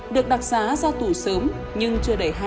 được đặt giá ra tù sớm nhưng chưa đầy hai năm